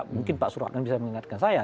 mungkin pak suratnan bisa mengingatkan saya